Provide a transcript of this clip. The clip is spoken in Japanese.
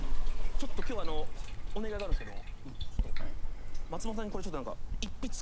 ちょっと今日お願いがあるんですけども松本さんにこれちょっと何か。